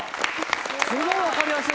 すごい分かりやすい！